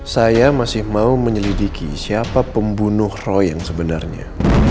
saya masih mau menyelidiki siapa pembunuh roy yang sebenarnya